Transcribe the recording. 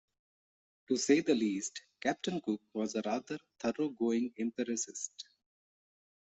To say the least, Captain Cook was a rather thorough going empiricist.